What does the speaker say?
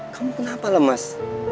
kamu kenapa lemes